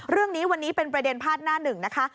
เรื่องนี้วันนี้เป็นประเด็นภาษณ์หน้า๑นะคะ